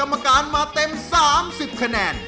มาเต็ม๓๐คะแนน